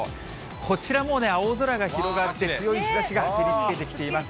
こちらも青空が広がって強い日ざしが照りつけてきています。